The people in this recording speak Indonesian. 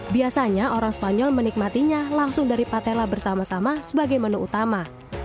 biasanya orang spanyol menikmatinya langsung dari patella bersama sama sebagai menu utama